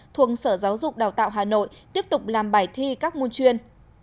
thuộc sở giáo dục đào tạo hà nội tiếp tục làm bài thi các môn chuyên